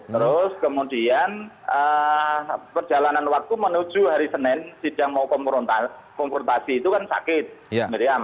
terus kemudian perjalanan waktu menuju hari senin sidang mau komputasi itu kan sakit miriam